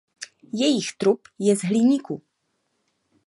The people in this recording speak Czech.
Jejich trup je z hliníku.